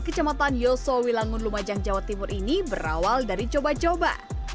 kecamatan yosowi langun lumajang jawa timur ini berawal dari coba coba